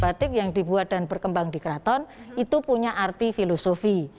batik yang dibuat dan berkembang di keraton itu punya arti filosofi